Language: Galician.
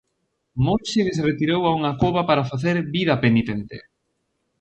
Monxe que se retirou a unha cova para facer vida penitente.